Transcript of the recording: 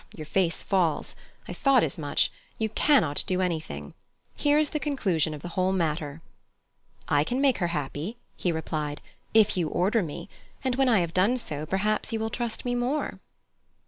your face falls. I thought as much. You cannot do anything. Here is the conclusion of the whole matter!" "I can make her happy," he replied, "if you order me; and when I have done so, perhaps you will trust me more."